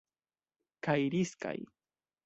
Kaj riskaj.